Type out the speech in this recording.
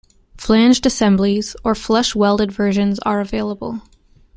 Flanged assemblies or flush welded versions are available.